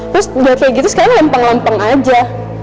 terus udah kayak gitu sekarang lempeng lempeng aja